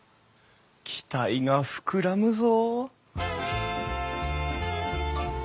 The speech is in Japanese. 期待が膨らむぞ。